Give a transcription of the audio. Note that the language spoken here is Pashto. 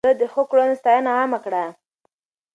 ده د ښو کړنو ستاينه عامه کړه.